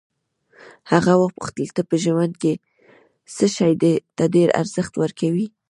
هغه وپوښتل ته په ژوند کې څه شي ته ډېر ارزښت ورکوې.